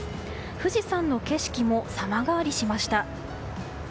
富士山の景色も様変わりしました。